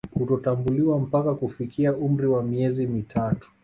Kutotambuliwa mpaka kufikia umri wa miezi mitatu